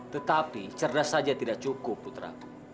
tetapi cerdas saja tidak cukup putra